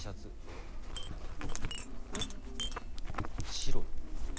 白い。